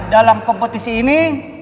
dalam kompetisi ini